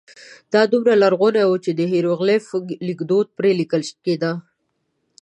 دا دومره لرغونی و چې د هېروغلیف لیکدود پرې لیکل کېده.